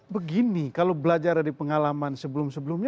begini kalau belajar dari pengalaman sebelum sebelumnya